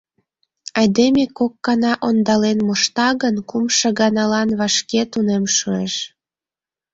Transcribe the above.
Айдеме кок гана ондален мошта гын, кумшо ганаланат вашке тунем шуэш.